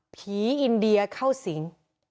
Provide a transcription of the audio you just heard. อินเดียเข้าสิง